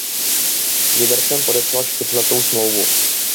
S Libercem podepsal čtyřletou smlouvu.